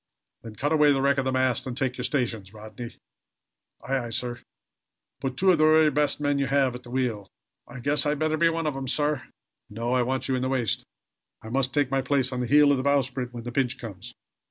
"Then cut away the wreck of the mast and take your stations, Rodney!" "Aye, aye, sir!" "Put two of the very best men you have at the wheel." "I guess I'd better be one of 'em, sir." "No. I want you in the waist. I must take my place on the heel of the bowsprit, when the pinch comes."